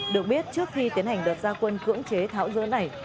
được biết trước khi tiến hành đợt ra quân cưỡng chế tháo dỡ này